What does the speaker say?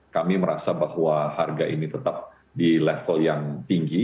kami merasa bahwa harga ini tetap di level yang tinggi